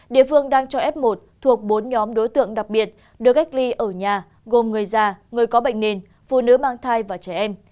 địa phương đang cho f một thuộc bốn nhóm đối tượng đặc biệt được cách ly ở nhà gồm người già người có bệnh nền phụ nữ mang thai và trẻ em